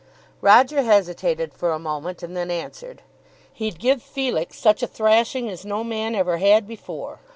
Roger hesitated for a moment, and then answered, "He'd give Felix such a thrashing as no man ever had before.